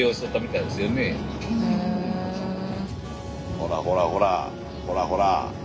ほらほらほらほらほら。